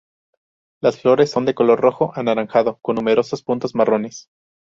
Las flores son de color rojo-anaranjado con numerosos puntos marrones.